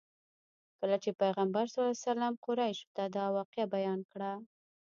کله چې پیغمبر صلی الله علیه وسلم قریشو ته دا واقعه بیان کړه.